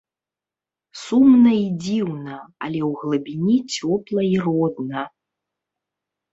Сумна і дзіўна, але ў глыбіні цёпла і родна.